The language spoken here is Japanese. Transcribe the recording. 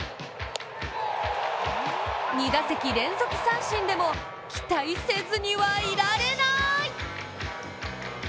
２打席連続三振でも期待せずにはいられない！